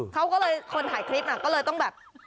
เขาก็เลยคนถ่ายคลิปน่ะก็เลยต้องแบบ